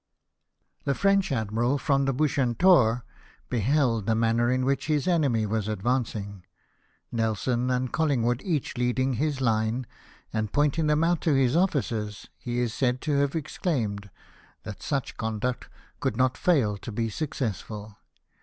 The French Admiral, from the Bucentaiire, beheld the new manner in which his enemy was advancing, Xelson and Collingwood each leading his line ; and, pointing them out to his officers, he is said to have exclaimed, that such conduct could not fail to be successful.